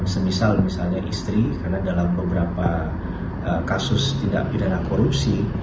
semisal misalnya istri karena dalam beberapa kasus tidak pidana korupsi